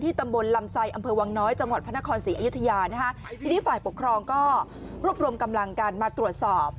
ทีนี้ฝ่ายปกครองก็รวบรวมกำลังการมาตรวจสอบ